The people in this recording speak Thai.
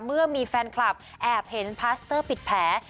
เมื่อมีแฟนคลับแอบเห็นพาสเตอร์ปิดแผล